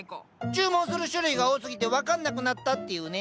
注文する種類が多すぎて分かんなくなったっていうね。